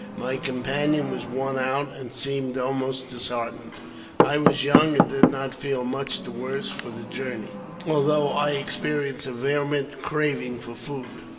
My companion was worn out, and seemed almost disheartened. I was young and did not feel much the worse for the journey, although I experienced a vehement craving for food.